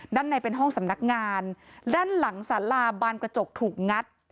ด้านในเป็นห้องสำนักงานด้านหลังสาราบานกระจกถูกงัด